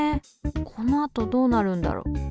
このあとどうなるんだろう？